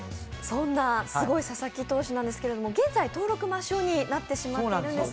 そんなすごい佐々木投手なんですけど、現在、登録抹消になってしまっているんです。